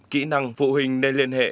kỹ năng phụ huynh nên liên hệ